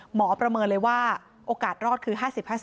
ประเมินเลยว่าโอกาสรอดคือ๕๐๕๐